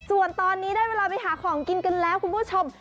ส่วนตอนนี้ได้เวลาไปหาของกินกันแล้วคุณผู้ชม